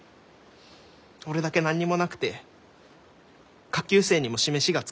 俺だけ何にもなくて下級生にも示しがつかないし。